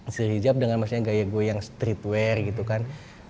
istri dihijab dengan gaya gue yang streetwear gitu kan